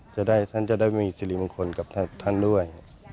ท่านจะได้มีสิริมงคลกับท่านด้วย